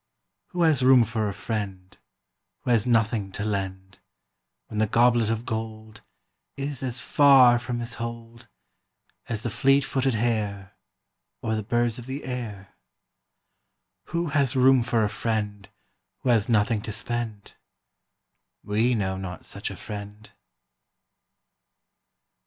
Who has room for a friend Who has nothing to lend, When the goblet of gold Is as far from his hold As the fleet footed hare, Or the birds of the air. Who has room for a friend Who has nothing to spend? We know not such a friend.